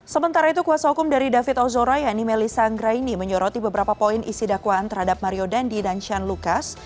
sementara itu kuasa hukum dari david ozora yanni melissa anggraini menyoroti beberapa poin isi dakwaan terhadap mario dandi dan shane lucas